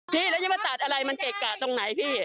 พี่แล้วจะมาตัดอะไรมันเกะกะตรงไหนพี่